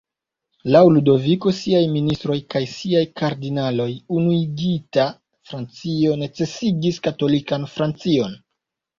Laŭ Ludoviko, siaj ministroj kaj siaj kardinaloj, unuigita Francio necesigis katolikan Francion.